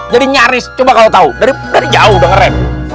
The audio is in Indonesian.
jadi nyaris coba kalau tahu dari jauh udah ngeram